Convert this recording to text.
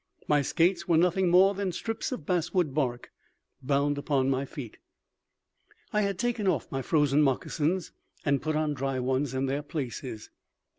My skates were nothing more than strips of basswood bark bound upon my feet. I had taken off my frozen moccasins and put on dry ones in their places.